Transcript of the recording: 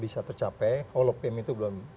kalau tercapai holopem itu belum